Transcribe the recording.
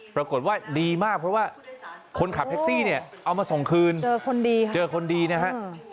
ปรากฏว่าดีมากเพราะว่าคนขับแท็กซี่เอามาส่งคืนเจอคนดีนะครับ